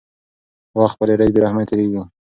وخت په ډېرې بې رحمۍ تېرېږي.